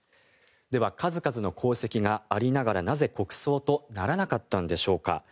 では、数々の功績がありながらなぜ国葬とならなかったんでしょうか。